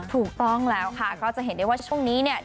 ถูกต้องแล้วค่ะก็จะเห็นได้ว่าช่วงนี้เนี่ย